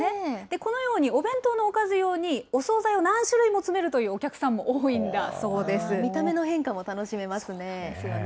このようにお弁当のおかず用に、お総菜を何種類も詰めるというお見た目の変化も楽しめますね。